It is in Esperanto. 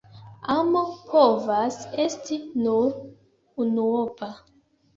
Amo povas esti nur unuopa.